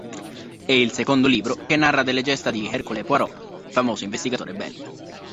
È il secondo libro che narra delle gesta di Hercule Poirot, famoso investigatore belga.